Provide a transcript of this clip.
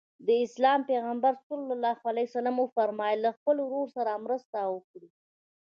د اسلام پیغمبر ص وفرمایل له خپل ورور سره مرسته وکړئ.